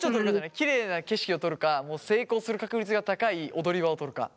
きれいな景色を取るか成功する確率が高い踊り場を取るか。